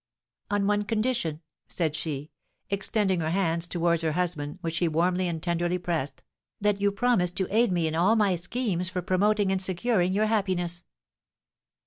"On one condition," said she, extending her hand towards her husband, which he warmly and tenderly pressed, "that you promise to aid me in all my schemes for promoting and securing your happiness!"